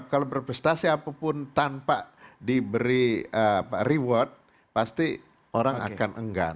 kalau berprestasi apapun tanpa diberi reward pasti orang akan enggan